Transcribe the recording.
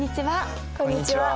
こんにちは。